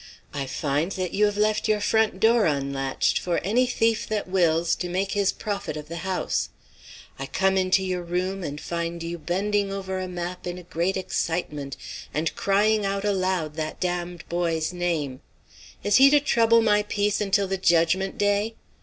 I find that you have left your front door unlatched for any thief that wills to make his profit of the house. I come into your room and find you bending over a map in a great excitement and crying out aloud that damned boy's name. Is he to trouble my peace until the Judgment Day?